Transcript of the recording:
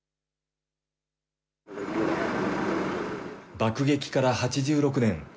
爆撃から８６年。